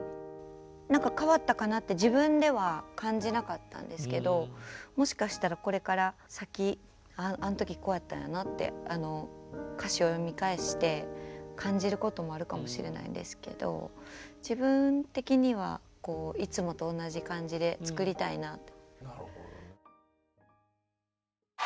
何か変わったかなって自分では感じなかったんですけどもしかしたらこれから先あん時こうやったんやなって歌詞を読み返して感じることもあるかもしれないですけど自分的にはいつもと同じ感じで作りたいなと。